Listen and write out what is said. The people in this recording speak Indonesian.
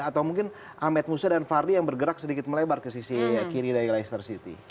atau mungkin ahmed musa dan fardi yang bergerak sedikit melebar ke sisi kiri dari leicester city